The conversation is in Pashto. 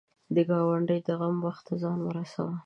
د ګاونډي د غم وخت ته ځان ورسوه